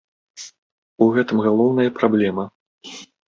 У гэтым галоўная праблема.